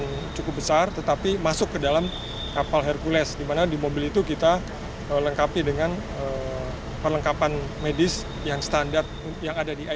yang cukup besar tetapi masuk ke dalam kapal hercules dimana di mobil itu kita lengkapi dengan perlengkapan medis yang standar yang ada di icu